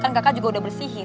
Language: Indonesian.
kan kakak juga udah bersihin